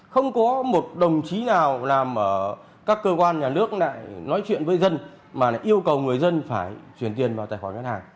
không có một đồng chí nào làm ở các cơ quan nhà nước lại nói chuyện với dân mà lại yêu cầu người dân phải chuyển tiền vào tài khoản ngân hàng